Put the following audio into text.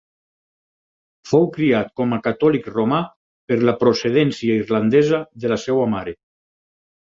Fou criat com a Catòlic Romà per la procedència irlandesa de la seva mare.